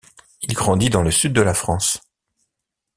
Il grandit dans le sud de la France.